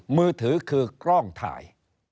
มือถือคือกล้องถ่าย